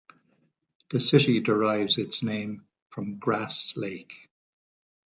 The city derives its name from Grass Lake.